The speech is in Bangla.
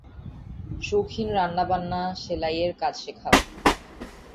শৌখিন রান্নাবান্না শেলাই-এর কাজ শেখাও।